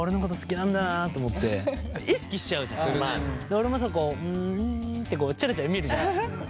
俺もさこうん？ってチラチラ見るじゃん。